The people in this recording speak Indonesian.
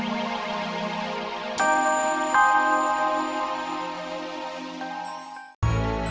terima kasih mbak